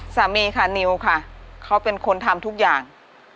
สามีค่ะนิวค่ะเขาเป็นคนทำทุกอย่าง